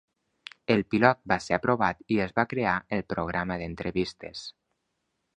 El pilot va ser aprovat i es va crear el programa d'entrevistes.